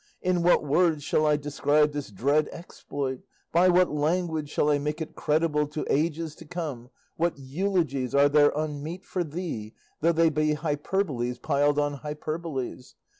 In what words shall I describe this dread exploit, by what language shall I make it credible to ages to come, what eulogies are there unmeet for thee, though they be hyperboles piled on hyperboles!